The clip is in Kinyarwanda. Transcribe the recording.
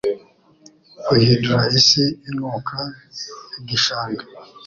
guhindura isi inuka igishanga